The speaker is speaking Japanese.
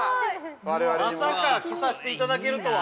◆まさか着させていただけるとは。